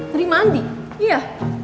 terima andi iya